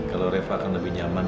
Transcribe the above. kalau reva akan lebih nyaman